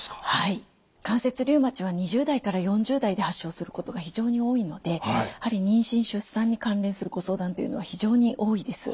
関節リウマチは２０代から４０代で発症することが非常に多いのでやはり妊娠・出産に関連するご相談っていうのは非常に多いです。